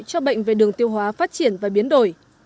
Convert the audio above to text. cho bệnh về đường tiêu hóa phát triển và biến đổi